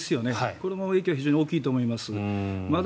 これも影響が非常に大きいと思います。